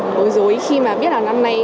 bối rối khi mà biết là năm nay